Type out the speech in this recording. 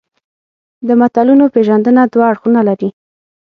د متلونو پېژندنه دوه اړخونه لري